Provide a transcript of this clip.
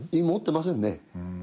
持ってませんね。